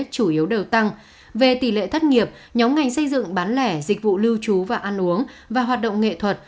chủ yếu đều tăng về tỷ lệ thất nghiệp nhóm ngành xây dựng bán lẻ dịch vụ lưu trú và ăn uống và hoạt động nghệ thuật